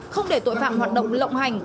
không để tội phạm hoạt động lộng hành